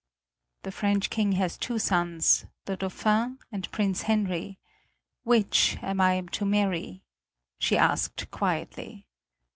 "The French King has two sons, the Dauphin and Prince Henry. Which am I to marry?" she asked quietly.